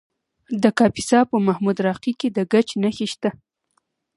د کاپیسا په محمود راقي کې د ګچ نښې شته.